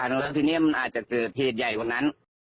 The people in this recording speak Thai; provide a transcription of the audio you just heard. แล้วทีนี้มันอาจจะเกิดเหตุใหญ่กว่านั้น